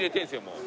もう。